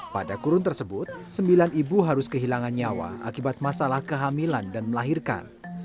pada kurun tersebut sembilan ibu harus kehilangan nyawa akibat masalah kehamilan dan melahirkan